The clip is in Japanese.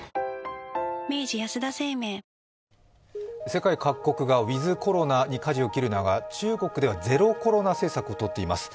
世界各国がウィズ・コロナにかじを切る中、中国ではゼロコロナ政策をとっています。